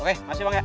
oke makasih bang ya